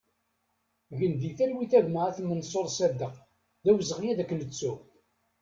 Gen di talwit a gma At Mansur Saddek, d awezɣi ad k-nettu!